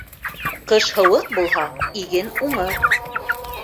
Ҡыш һыуыҡ булһа, иген уңыр.